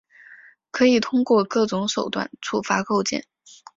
可以通过各种手段触发构建。